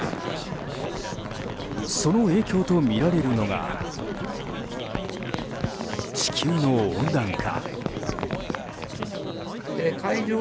その影響とみられるのが地球の温暖化。